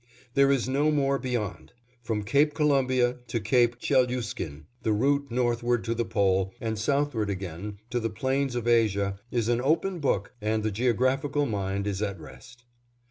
There is no more beyond; from Cape Columbia to Cape Chelyuskin, the route northward to the Pole, and southward again to the plains of Asia, is an open book and the geographical mind is at rest.